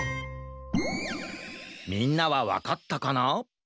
みんなはわかったかな？